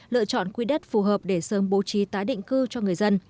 lựa chọn quy đất phù hợp để sớm bố trí tái định cư cho người dân